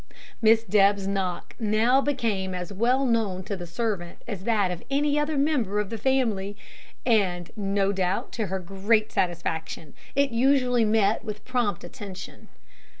Miss Deb's knock now became as well known to the servant as that of any other member of the family, and, no doubt to her great satisfaction, it usually met with prompt attention.